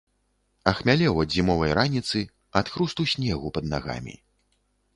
Ахмялеў ад зімовай раніцы, ад хрусту снегу пад нагамі.